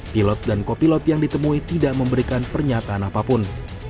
pilot dan kopilot yang ditemui tidak memberikan pernyataan apapun